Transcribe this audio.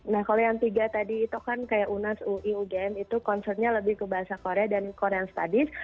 nah kalau yang tiga tadi itu kan kayak unas ui ugm itu concernnya lebih ke bahasa korea dan korean studies